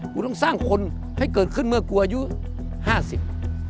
กูต้องสร้างคนให้เกิดขึ้นเมื่อกูอายุห้าสิบ